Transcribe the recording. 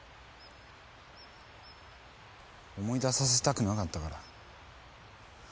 思い出させたくなかったから。